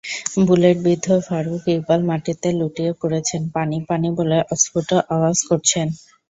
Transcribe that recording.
বুলেটবিদ্ধ ফারুক ইকবাল মাটিতে লুটিয়ে পড়েছেন, পানি পানি বলে অস্ফুট আওয়াজ করছেন।